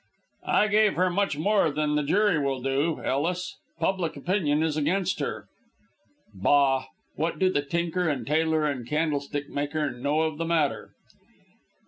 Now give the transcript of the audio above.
"I give her much more than the jury will do, Ellis. Public opinion is against her." "Bah! what do the tinker and tailor and candlestick maker know of the matter?"